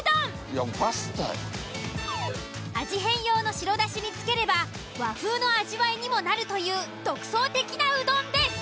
味変用の白だしにつければ和風の味わいにもなるという独創的なうどんです。